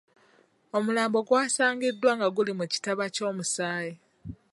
Omulambo gwasangiddwa nga guli mu kitaba ky’omusaayi.